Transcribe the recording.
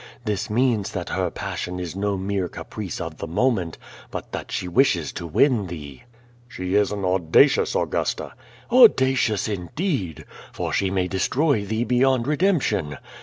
This means tliat her passion is no mere caprice of the moment, but that she wishes to win thee." "She is an audacious Augusta." "Audacious indeed! For she may destroy thee beyond redemption.